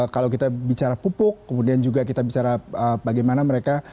kalau kita bicara pupuk kemudian juga kita bicara bagaimana mereka